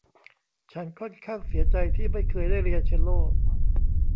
ฉันค่อนข้างเสียใจที่ไม่เคยได้เรียนเซลโล่